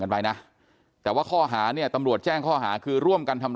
ไปนะแต่ว่าข้อหาเนี่ยตำรวจแจ้งข้อหาคือร่วมกันทำ